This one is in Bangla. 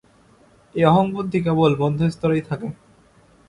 এই অহংবুদ্ধি কেবল মধ্যস্তরেই থাকে।